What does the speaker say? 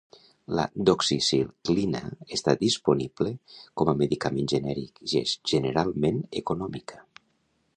La doxiciclina està disponible com a medicament genèric i és generalment econòmica.